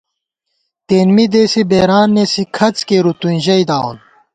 تېن می دېسےبېران نېسی کھڅ کېرُو توئیں ژئیداوون